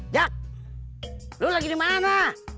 dak lo lagi di mana